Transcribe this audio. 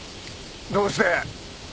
どうして？